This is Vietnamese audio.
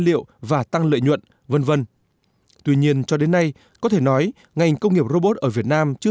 liệu và tăng lợi nhuận v v tuy nhiên cho đến nay có thể nói ngành công nghiệp robot ở việt nam chưa